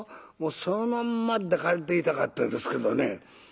もうそのまんま抱かれていたかったですけどね。